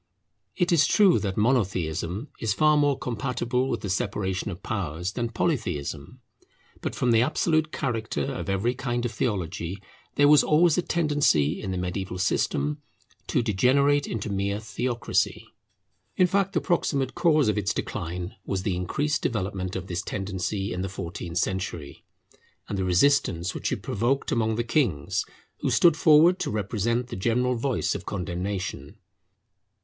It is true that Monotheism is far more compatible with the separation of powers than Polytheism. But from the absolute character of every kind of theology, there was always a tendency in the mediaeval system to degenerate into mere theocracy. In fact, the proximate cause of its decline was the increased development of this tendency in the fourteenth century, and the resistance which it provoked among the kings, who stood forward to represent the general voice of condemnation.